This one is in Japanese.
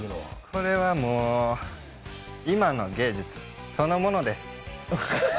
これは今の芸術、そのものです。